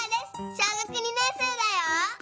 小学２年生だよ。